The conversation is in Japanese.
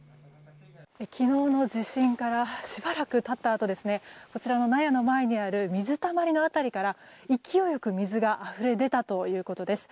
昨日の地震からしばらく経ったあとこちらの納屋の前にある水たまりの辺りから勢いよく水があふれ出たということです。